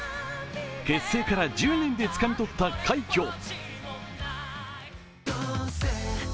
結成から１０年でつかみ取った快挙。